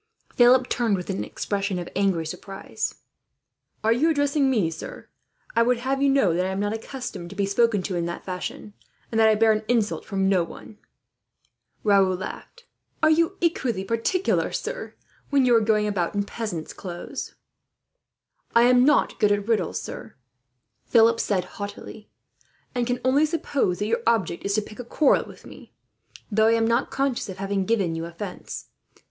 Philip turned, with an expression of angry surprise. "Are you addressing me, sir? I would have you know that am not accustomed to be spoken to, in that fashion; and that I bear an insult from no one." Raoul laughed. "Are you equally particular, sir, when you are going about in peasant's clothes?" "I am not good at riddles, sir," Philip said haughtily, "and can only suppose that your object is to pick a quarrel with me; though I am not conscious of having given you offence.